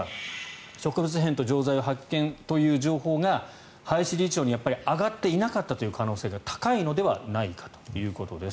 植物片と錠剤を発見という情報が林理事長に上がっていなかった可能性が高いのではないかということです。